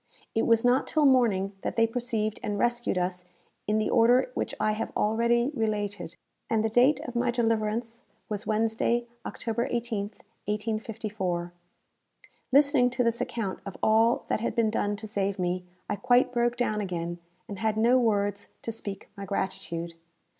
It was not till morning that they perceived and rescued us in the order which I have already related; and the date of my deliverance was Wednesday, October 18th, 1854. Listening to this account of all that had been done to save me, I quite broke down again, and had no words to speak my gratitude.